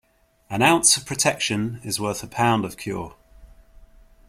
An ounce of protection is worth a pound of cure.